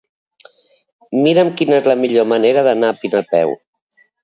Mira'm quina és la millor manera d'anar a Pina a peu.